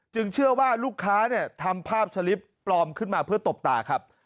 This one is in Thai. เชื่อว่าลูกค้าเนี่ยทำภาพสลิปปลอมขึ้นมาเพื่อตบตาครับ